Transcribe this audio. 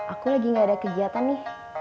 aku lagi gak ada kegiatan nih